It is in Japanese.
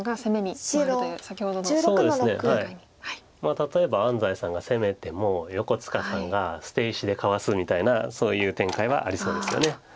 例えば安斎さんが攻めても横塚さんが捨て石でかわすみたいなそういう展開はありそうですよね。